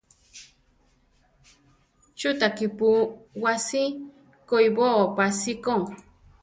Chú ta kípu wási koʼibóo pásiko?